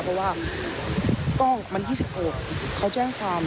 เพราะว่าก็วันที่๑๖เขาแจ้งความ